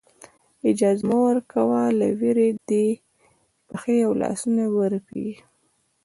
اجازه مه ورکوه له وېرې دې پښې او لاسونه ورپېږي.